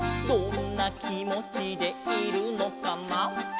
「どんなきもちでいるのかな」